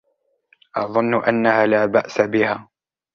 أظن أنها لا بأس بها.